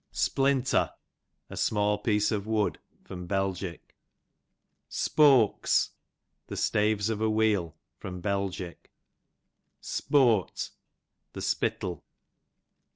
Splinter, a small piece of wood. Bel. Spokes, the staves of a wheel. Bel. Spoat, the spittle.